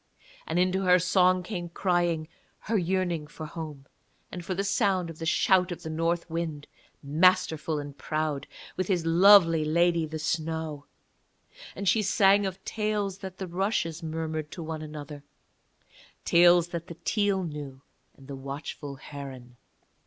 And into her song came crying her yearning for home, and for the sound of the shout of the North Wind, masterful and proud, with his lovely lady the Snow; and she sang of tales that the rushes murmured to one another, tales that the teal knew and the watchful heron.